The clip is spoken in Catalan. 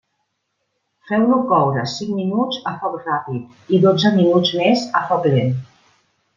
Feu-lo coure cinc minuts a foc ràpid i dotze minuts més a foc lent.